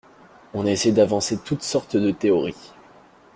On a essayé d’avancer toutes sortes de théories.